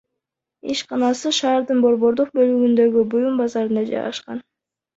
Ишканасы шаардын борбордук бөлүгүндөгү буюм базарында жайгашкан.